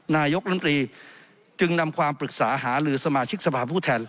นายกรมตรีจึงนำความปรึกษาหาลือสมาชิกสภาพผู้แทน